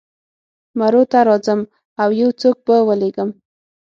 مرو ته راځم او یو څوک به ولېږم.